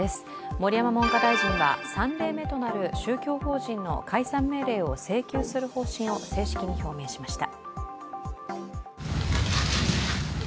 盛山文科大臣は３例目となる宗教法人の解散命令を請求する方針を正式に表明しました。